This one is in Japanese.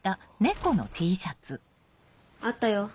あったよ